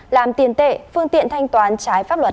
làm tiền tệ phương tiện thanh toán trái pháp luật